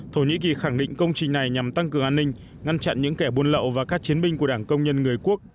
thổ nhĩ kỳ khẳng định công trình này nhằm tăng cường an ninh ngăn chặn những kẻ buôn lậu và các chiến binh của đảng công nhân người quốc